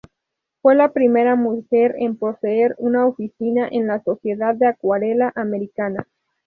Fue la primera mujer en poseer una oficina en la Sociedad de Acuarela americana.